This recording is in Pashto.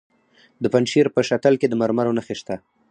د پنجشیر په شتل کې د مرمرو نښې شته.